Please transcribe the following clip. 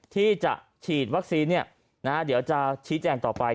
ที่จะฉีดวัคซีนเดี๋ยวจะชี้แจงต่อไป